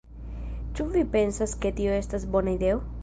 Ĉu vi pensas ke tio estas bona ideo?"